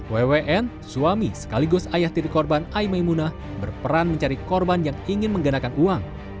wwn suami sekaligus ayah tiri korban aimai munah berperan mencari korban yang ingin mengganakan uang